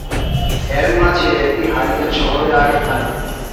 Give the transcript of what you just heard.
এর মাঝে একটি হারিকেন শহরে আঘাত হানে।